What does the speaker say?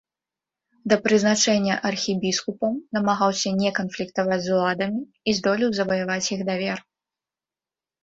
Да прызначэння архібіскупам намагаўся не канфліктаваць з уладамі і здолеў заваяваць іх давер.